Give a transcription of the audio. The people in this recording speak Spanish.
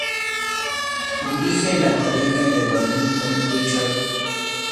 Dirige la Academia de Badminton Richard Vaughan.